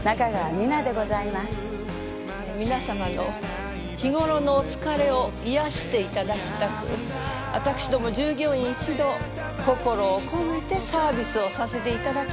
皆様の日頃のお疲れを癒やして頂きたくわたくしども従業員一同心を込めてサービスをさせて頂きます。